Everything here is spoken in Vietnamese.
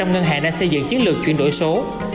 bốn mươi hai ngân hàng đang xây dựng chiến lược chuyển đổi số